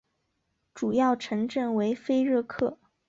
主要城镇为菲热克。